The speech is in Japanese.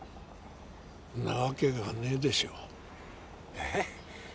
んなわけがねえでしょえっ？